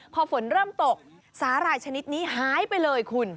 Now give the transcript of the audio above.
พอฝนเริ่มตกสาหร่ายชนิดนี้หายไปเลยคุณ